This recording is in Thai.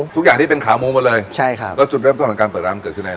ทุกอย่างที่เป็นขาหมูหมดเลยใช่ครับแล้วจุดเริ่มต้นของการเปิดร้านมันเกิดขึ้นในอะไร